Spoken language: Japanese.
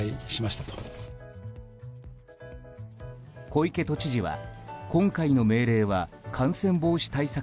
小池都知事は今回の命令は感染防止対策